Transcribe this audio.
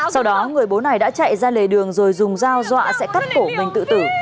sau đó người bố này đã chạy ra lề đường rồi dùng dao dọa sẽ cắt cổ mình tự tử